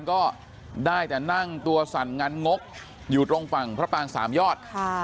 ก็ได้แต่นั่งตัวสั่นงันงกอยู่ตรงฝั่งพระปางสามยอด